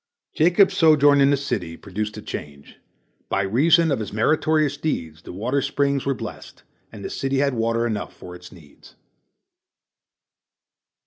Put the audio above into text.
Jacob's sojourn in the city produced a change. By reason of his meritorious deeds the water springs were blessed, and the city had water enough for its needs.